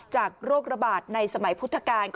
โรคระบาดในสมัยพุทธกาล